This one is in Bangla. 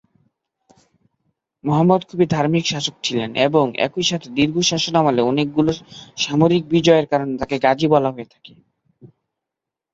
মুহাম্মদ খুব ধার্মিক শাসক ছিলেন এবং একইসাথে দীর্ঘ শাসনামলে অনেকগুলো সামরিক বিজয়ের কারণে তাঁকে গাজী বলা হয়ে থাকে।